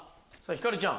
ひかるちゃん！